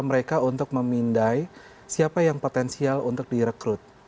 mereka untuk memindai siapa yang potensial untuk direkrut